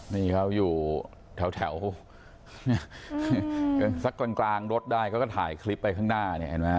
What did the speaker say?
นี่เขาอยู่แถวสักกลางรถได้เขาก็ถ่ายคลิปไปข้างหน้า